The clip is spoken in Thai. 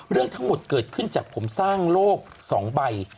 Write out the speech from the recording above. เรื่องทั้งหมดเกิดขึ้นจากผมสร้างโลก๒ใบ